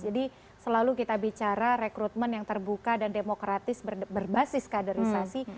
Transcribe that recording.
jadi selalu kita bicara rekrutmen yang terbuka dan demokratis berbasis kaderisasi